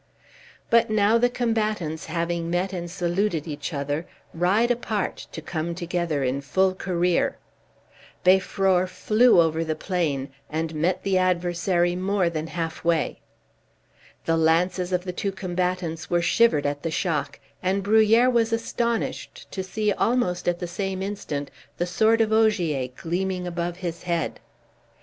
But now the combatants, having met and saluted each other, ride apart to come together in full career. Beiffror flew over the plain, and met the adversary more than half way. The lances of the two combatants were shivered at the shock, and Bruhier was astonished to see almost at the same instant the sword of Ogier gleaming above his head.